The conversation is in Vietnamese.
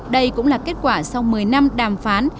đây cũng là kết quả sau một mươi năm đàm phán